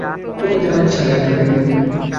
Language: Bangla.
আমি জাহাজ চালাই না, পেনি।